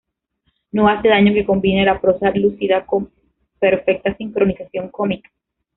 No hace daño que combine la prosa lúcida con perfecta sincronización cómica..."